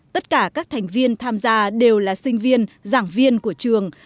tất cả các thành viên tham gia đều là sinh viên giảng viên của trường